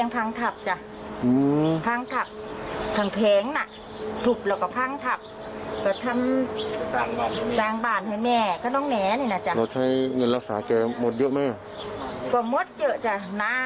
เป็นรักษาแกหมดเยอะไหมนะ